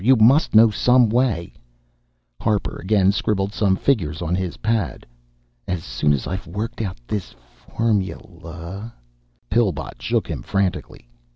You must know some way " Harper again scribbled some figures on his pad. "As soon as I've worked out this formula " Pillbot shook him frantically.